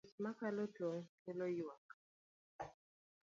Tich mokalo tong' kelo ywak.